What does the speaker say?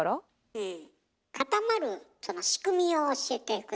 うん。